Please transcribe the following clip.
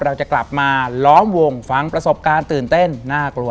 เราจะกลับมาล้อมวงฟังประสบการณ์ตื่นเต้นน่ากลัว